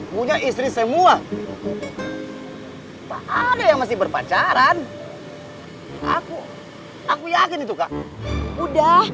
punya istri semua ada yang masih berpacaran aku aku yakin itu kak udah